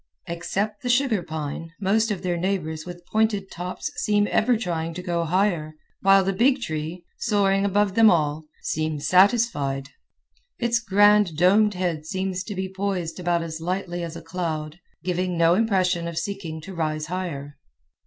Except the sugar pine, most of their neighbors with pointed tops seem ever trying to go higher, while the big tree, soaring above them all, seems satisfied. Its grand domed head seems to be poised about as lightly as a cloud, giving no impression of seeking to rise higher.